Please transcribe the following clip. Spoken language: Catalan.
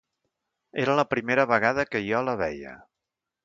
Era la primera vegada que jo la veia